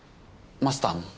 マスターも？